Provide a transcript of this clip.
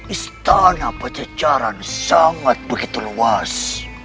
istana pececaran sangat begitu luas